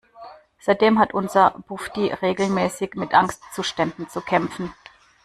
Seitdem hat unser Bufdi regelmäßig mit Angstzuständen zu kämpfen.